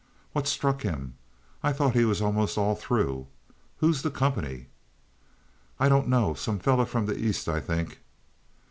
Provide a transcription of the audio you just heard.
"What's struck him? I thought he was almost all through. Who's the Company?" "I don't know. Some fellow from the East, I think."